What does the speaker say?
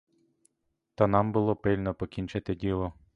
Та нам було пильно покінчити діло.